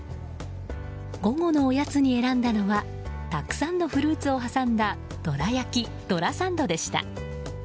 午後のおやつに選んだのはたくさんのフルーツを挟んだどら焼きどらサンドでした。